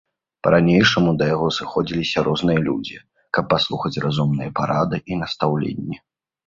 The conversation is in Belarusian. Па-ранейшаму да яго сыходзіліся розныя людзі, каб паслухаць разумныя парады і настаўленні.